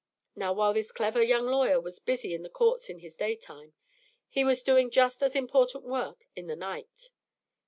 Now, while this clever young lawyer was busy in the courts in the daytime, he was doing just as important work in the night.